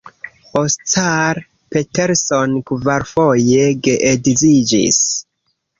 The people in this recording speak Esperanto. Oscar Peterson kvarfoje geedziĝis.